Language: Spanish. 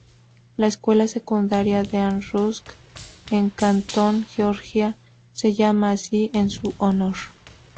La Escuela Secundaria Dean Rusk en Canton, Georgia, se llama así en su honor.